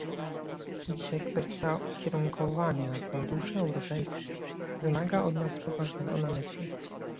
Dzisiaj kwestia ukierunkowania funduszy europejskich wymaga od nas poważnego namysłu